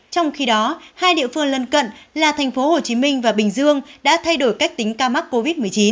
trong khi đó hai địa phương lân cận là thành phố hồ chí minh và bình dương đã thay đổi cách tính ca mắc covid một mươi chín